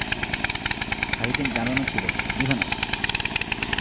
Hurricane জ্বালানো ছিল, নিভানো!